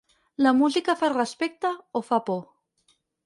La música fa respecte o fa por.